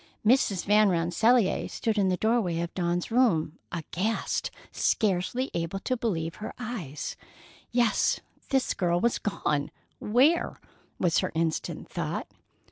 Mrs. Van Rensselaer stood in the doorway of Dawn's room, aghast, scarcely able to believe her eyes. Yes, the girl was gone. Where? was her instant thought.